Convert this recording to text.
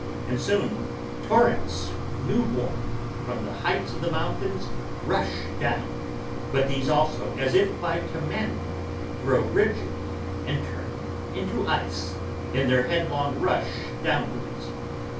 And soon torrents newborn, from the heights of The mountains rush down: but these also, as if by commandment Grow rigid, and, turn into ice, in their headlong rush downwards!